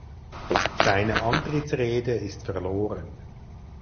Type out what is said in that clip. Seine Antrittsrede ist verloren.